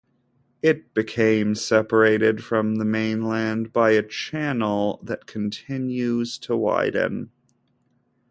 It became separated from the mainland by a channel that continues to widen.